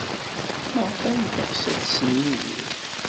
Maɣef ay teɣs ad tessen Yidir?